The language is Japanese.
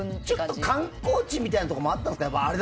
ちょっと観光地みたいなところもあったんですか？